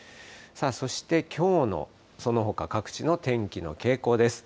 そしてきょうのそのほか、各地の天気の傾向です。